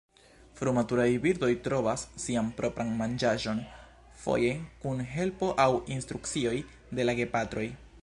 Frumaturaj birdoj trovas sian propran manĝaĵon, foje kun helpo aŭ instrukcioj de la gepatroj.